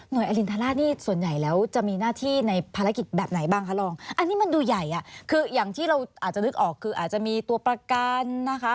อรินทราชนี่ส่วนใหญ่แล้วจะมีหน้าที่ในภารกิจแบบไหนบ้างคะรองอันนี้มันดูใหญ่อ่ะคืออย่างที่เราอาจจะนึกออกคืออาจจะมีตัวประกันนะคะ